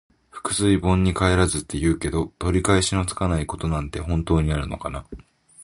「覆水盆に返らず」って言うけど、取り返しのつかないことなんて本当にあるのかな。